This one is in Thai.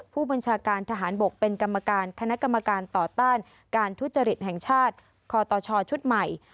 ผู้บัญชาการทหารบกเป็นกรรมการคณะกรรมการต่อต้านการทุจริตแห่งชาติคอตชชุดใหม่